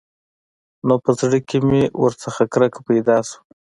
نو په زړه کښې مې ورنه کرکه پيدا سوه.